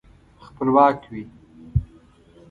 خپلواک وي.